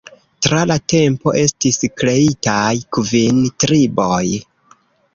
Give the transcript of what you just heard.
Tra la tempo estis kreitaj kvin triboj.